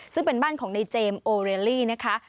ซึ่งเป็นบ้านของในเจมส์โอเรลลี่นะคะ